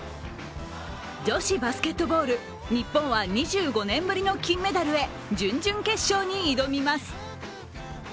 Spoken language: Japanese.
女子バスケットボール、日本は２５年ぶりの金メダルへ、準々決勝へ挑みます。